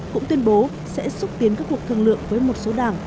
cũng tuyên bố sẽ xúc tiến các cuộc thương lượng với một số đảng